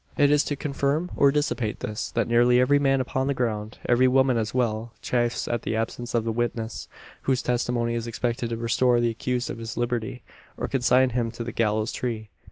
It is to confirm, or dissipate this, that nearly every man upon the ground every woman as well chafes at the absence of that witness, whose testimony is expected to restore the accused to his liberty, or consign him to the gallows tree.